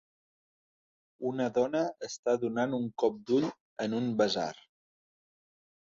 Una dona està donant un cop d'ull en un basar